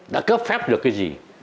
đã cấp phép được cái gì